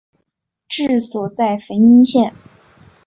治所在汾阴县。